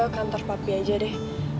kantor papi aja deh